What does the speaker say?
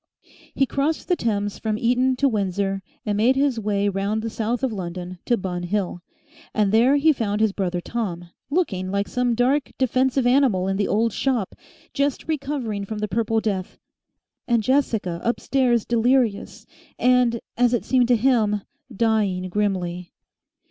He crossed the Thames from Eton to Windsor and made his way round the south of London to Bun Hill, and there he found his brother Tom, looking like some dark, defensive animal in the old shop, just recovering from the Purple Death, and Jessica upstairs delirious, and, as it seemed to him, dying grimly.